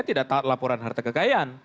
tidak taat laporan harta kekayaan